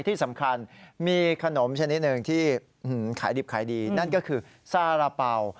ที่สำคัญมีขนมชนิดหนึ่งที่ขายดิบขายดีนั่นก็คือซาระเป่า